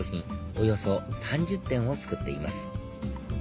およそ３０点を作っています